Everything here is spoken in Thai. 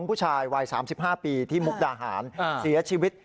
ผู้ชายวัย๓๕ปีที่มุกดาหารเสียชีวิต